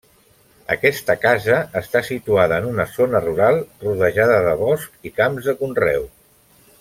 Aquesta casa està situada en una zona rural, rodejada de bosc i camps de conreu.